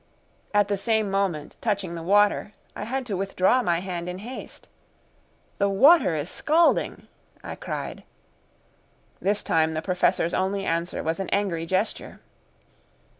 At the same moment, touching the water, I had to withdraw my hand in haste. "The water is scalding," I cried. This time the Professor's only answer was an angry gesture.